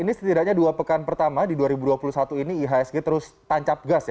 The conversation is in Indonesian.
ini setidaknya dua pekan pertama di dua ribu dua puluh satu ini ihsg terus tancap gas ya